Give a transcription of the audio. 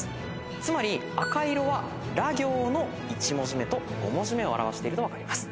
つまり赤色はラ行の１文字目と５文字目を表してると分かります。